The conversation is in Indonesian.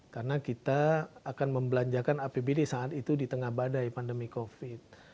karena kita akan membelanjakan apbd saat itu di tengah badai pandemi covid